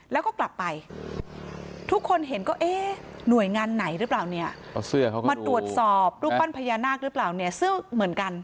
แล้วก็กลับไปทุกคนเห็นก็เอ๊ะหน่วยงานไหนหรือเปล่าเนี่ยเอาเสื้อเข้ามาตรวจสอบรูปปั้นพญานาคหรือเปล่าเนี่ยเสื้อเหมือนกัน